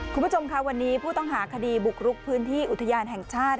คุณผู้ชมค่ะวันนี้ผู้ต้องหาคดีบุกรุกพื้นที่อุทยานแห่งชาติ